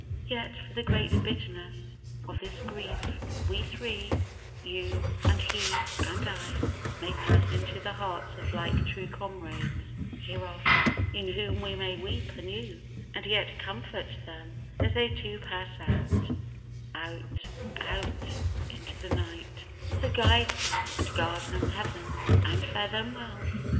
Yet for the great bitterness of this grief We three, you and he and I, May pass into the hearts of like true comrades hereafter, In whom we may weep anew and yet comfort them, As they too pass out, out, out into the night, So guide them and guard them Heaven and fare them well!